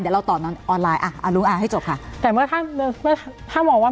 เดี๋ยวเราตอบให้ออนไลน์